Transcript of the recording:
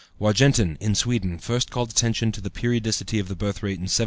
Wargentin, in Sweden, first called attention to the periodicity of the birthrate in 1767.